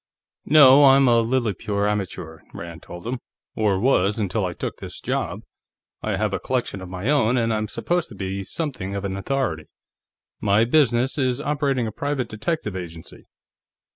"No, I'm a lily pure amateur," Rand told him. "Or was until I took this job. I have a collection of my own, and I'm supposed to be something of an authority. My business is operating a private detective agency."